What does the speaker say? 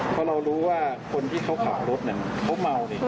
เพราะเรารู้ว่าคนที่เขาข่าวรถนั้นเขาเมาเลย